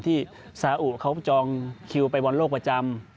ที่สาอุเขาจองคิวไปบอลโลกประจำ